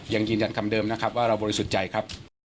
ยังยืนยันคำเดิมนะครับว่าเราบริสุทธิ์ใจครับ